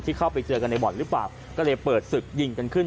เข้าไปเจอกันในบ่อนหรือเปล่าก็เลยเปิดศึกยิงกันขึ้น